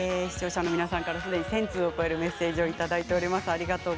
視聴者の皆さんからすでに１０００通を超えるメッセージをいただいております。